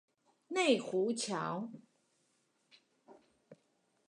內湖橋